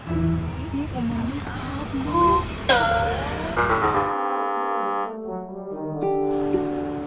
ini emangnya aku